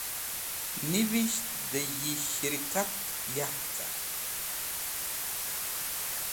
Nives̃h dẽ yi sharkat yark cart.